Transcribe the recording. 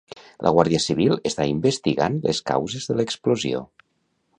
La Guàrdia Civil està investigant les causes de l'explosió.